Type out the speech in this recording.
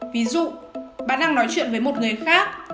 ví dụ bạn đang nói chuyện với một người khác